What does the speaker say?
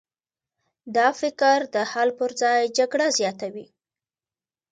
دا فکر د حل پر ځای جګړه زیاتوي.